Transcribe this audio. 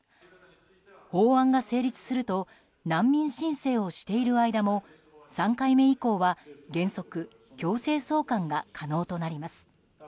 法案が成立すると難民申請をしている間も３回目以降は原則、強制送還が可能となります。